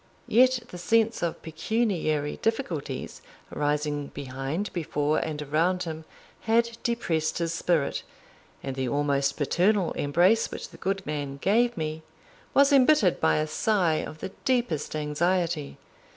Yet the sense of pecuniary difficulties arising behind, before, and around him, had depressed his spirit, and the almost paternal embrace which the good man gave me, was embittered by a sigh of the deepest anxiety.